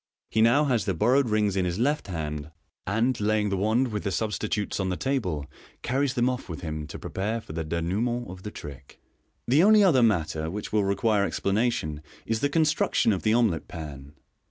He now has the bor rowed rings in his left hand, and (laying ihe wand with the substitutes on the table) carries them off with him to prepare for the denouement of the trick. The only other matter which will re quire explanation is the construction of the omelet pan.